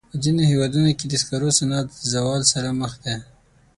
په ځینو هېوادونو کې د سکرو صنعت د زوال سره مخ دی.